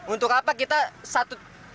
untuk apa kita satu